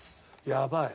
やばい。